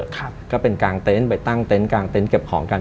ก็เป็นกางเต้นไปตั้งเต้นกางเต้นเก็บของกัน